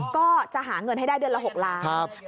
ก็จะหาเงินให้ได้เดือนละ๖ล้าน